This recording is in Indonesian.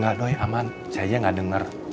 gak doi aman saya gak denger